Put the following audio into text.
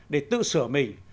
để tự sửa mình